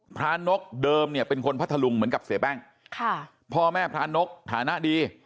นกเดิมเนี่ยเป็นคนพัทธลุงเหมือนกับเสียแป้งค่ะพ่อแม่พระนกฐานะดี